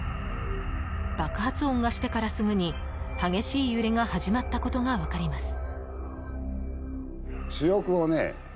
爆発音がしてからすぐに激しい揺れが始まったことが分かります。